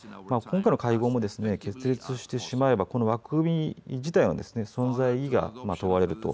今回の会合も決裂してしまえばこの枠組み自体は存在意義が問われると。